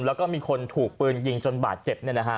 แล้วก็มีคนถูกปืนยิงจนบาดเจ็บ